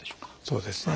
そうですね。